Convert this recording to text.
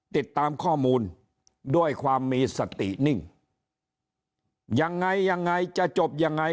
ติดตามข้อมูลด้วยความมีสตินิ่งยังไงยังไงจะจบยังไง